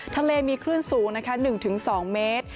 ทะเลมีคลื่นสูงนะคะ๑๒เมตร